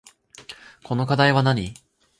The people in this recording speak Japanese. この課題はなに